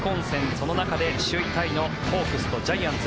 その中で首位タイのホークスとジャイアンツ。